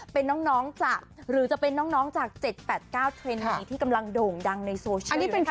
เป็นน้องจาก๗๘๙เทรนด์นี้ที่กำลังโด่งดังในโซเชียลอยู่ในขณะนี้